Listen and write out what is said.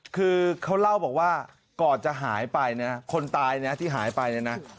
คือเขาเล่าบอกว่าก่อนจะหายไปนะครับคนตายนะที่หายไปนะ